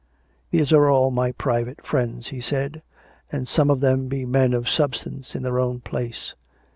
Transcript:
" These are all my private friends," he said, " and some of them be men of substance in their own place.